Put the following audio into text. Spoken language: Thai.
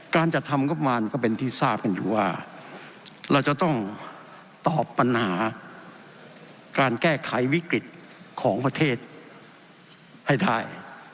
การจัดทำงบประมาณก็เป็นที่ทราบกันอยู่ว่าเราจะต้องตอบปัญหาการแก้ไขวิกฤตของประเทศให้ได้